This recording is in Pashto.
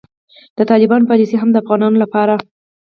د طالبانو پالیسي هم د افغانانو لپاره